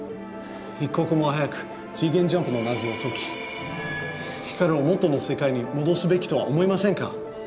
一刻も早く次元ジャンプの謎を解き光を元の世界に戻すべきとは思いませんか？